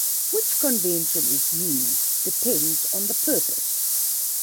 Which convention is used depends on the purpose.